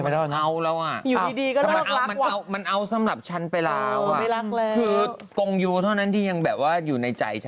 ไม่ละมันเอาสำหรับฉันไปแล้วคือกงอยู่เท่านั้นที่ยังแบบว่าอยู่ในใจฉัน